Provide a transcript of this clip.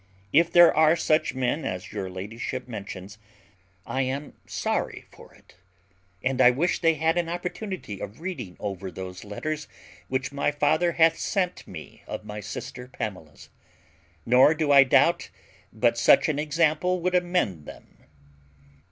If there are such men as your ladyship mentions, I am sorry for it; and I wish they had an opportunity of reading over those letters which my father hath sent me of my sister Pamela's; nor do I doubt but such an example would amend them."